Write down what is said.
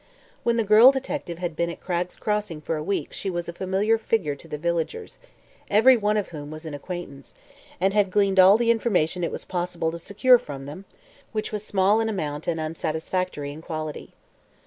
When the girl detective had been at Cragg's Crossing for a week she was a familiar figure to the villagers every one of whom was an acquaintance and had gleaned all the information it was possible to secure from them, which was small in amount and unsatisfactory in quality.